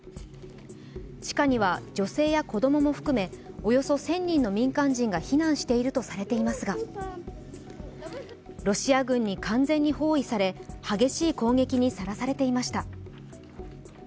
地下には女性や子供も含めおよそ１０００人の民間人が避難しているとされていますがロシア軍に完全に包囲され激しい攻撃にさらされていました。